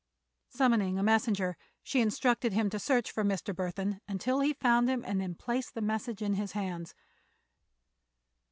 Summoning a messenger she instructed him to search for Mr. Burthon until he found him and then place the message in his hands.